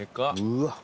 うわ。